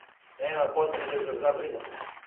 Нема потребе за забринутост.